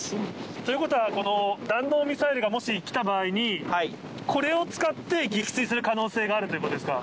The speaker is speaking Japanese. ということは、この弾道ミサイルが、もし来た場合に、これを使って撃墜する可能性があるということですか？